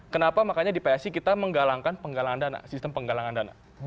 kenapa makanya di psi kita menggalangkan penggalangan dana sistem penggalangan dana